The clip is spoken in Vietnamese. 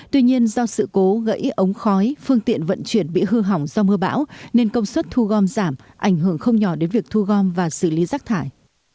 tuy nhiên do sự cố gãy ống khói phương tiện vận chuyển bị hư hỏng do mưa bão nên công suất thu gom giảm ảnh hưởng không nhỏ đến việc thu gom và xử lý rác thải